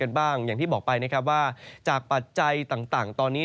อย่างที่บอกไปจากปัจจัยต่างตอนนี้